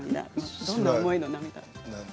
どんな思いの涙？